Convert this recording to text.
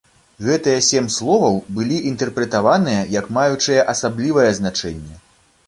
Гэтыя сем словаў былі інтэрпрэтаваныя як маючыя асаблівае значэнне.